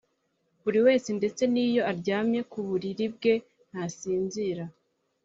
Buri wese, ndetse n’iyo aryamye ku buriri bwe, ntasinzira